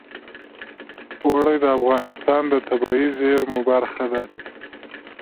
اوړي د افغانستان د طبیعي زیرمو برخه ده.